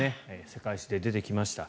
世界史で出てきました